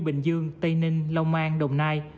bình dương tây ninh lòng an đồng nai